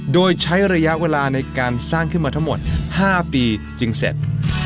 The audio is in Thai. โดยใช้ระยะเวลาในการสร้างขึ้นมาทั้งหมด๕ปีจึงเสร็จ